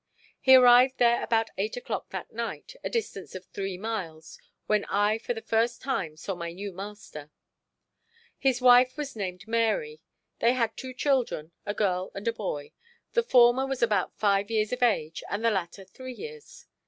He arrived there about eight o'clock that night, a distance of three miles, when I for the first time saw my new master. His wife was named Mary. They had two children—a girl and a boy; the former was about five years of age and the latter three years.